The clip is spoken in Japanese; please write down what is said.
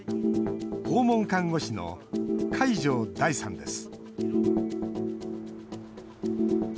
訪問看護師の海上大さんです